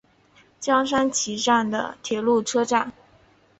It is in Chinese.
江川崎站的铁路车站。